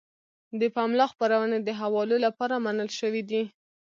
د پملا خپرونې د حوالو لپاره منل شوې دي.